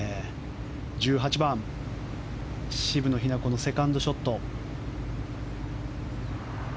１８番渋野日向子のセカンドショット。